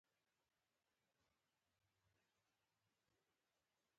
بیپو کارخانې ته ننوت او مروارید یې پټ کړ.